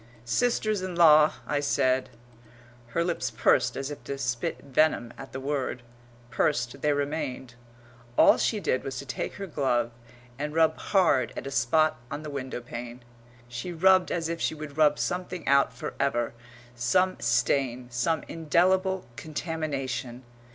"Sisters in law," I said Her lips pursed as if to spit venom at the word; pursed they remained. All she did was to take her glove and rub hard at a spot on the window pane. She rubbed as if she would rub something out for ever some stain, some indelible contamination.